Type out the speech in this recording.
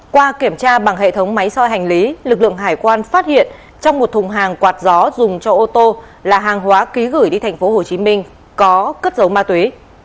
qua kiểm tra bằng hệ thống máy soi hành lý lực lượng hải quan phát hiện trong một thùng hàng quạt gió dùng cho ô tô là hàng hóa ký gửi đi tp hcm có cất dấu ma túy